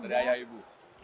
dari ayah ibu